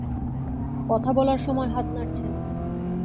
কথা বলার সময় হাত নাড়ছেন।